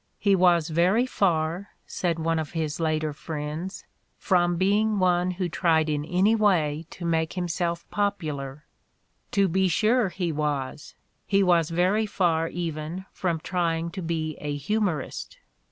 "He was very far," said one of his later friends, "from being one who tried in any way to make himself popular." To be Mark Twain's Humor 207 sure he was! He was very far even from trying to be a humorist!